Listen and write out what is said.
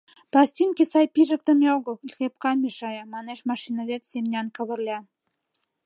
— Пластинке сай пижыктыме огыл, клепка мешая, — манеш машиновед Семнян Кавырля.